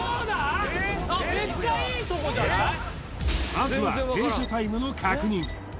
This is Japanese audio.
まずは停車タイムの確認